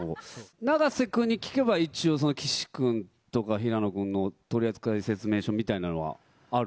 永瀬君に聞けば、一応、岸君とか平野君の取り扱い説明書みたいなのはある？